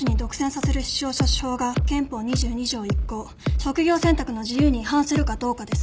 職業選択の自由に違反するかどうかです。